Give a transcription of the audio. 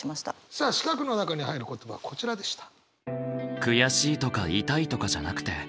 さあ四角の中に入る言葉はこちらでした。